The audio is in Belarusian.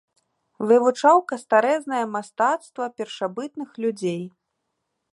Вывучаў кастарэзнае мастацтва першабытных людзей.